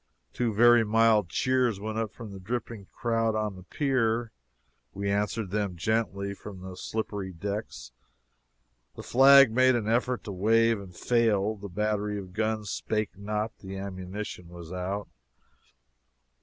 Two very mild cheers went up from the dripping crowd on the pier; we answered them gently from the slippery decks; the flag made an effort to wave, and failed; the "battery of guns" spake not the ammunition was out.